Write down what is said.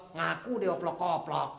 ngaku deh koplo